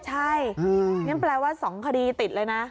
ใช่งั้นแปลว่า๒คดีติดเลยนะ